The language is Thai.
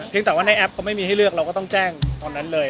แต่ว่าในแอปเขาไม่มีให้เลือกเราก็ต้องแจ้งตอนนั้นเลย